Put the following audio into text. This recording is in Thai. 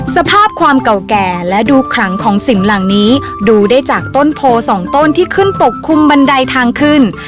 สภาพความเก่าแก่และดูขลังของสินเหล่านี้ดูได้จากต้นโพสองต้นที่ขึ้นปกคลุมบันไดทางขึ้น